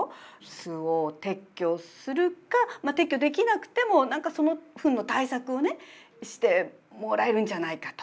巣を撤去するか撤去できなくても何かそのフンの対策をねしてもらえるんじゃないかと。